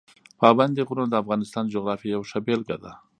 پابندي غرونه د افغانستان د جغرافیې یوه ښه بېلګه ده.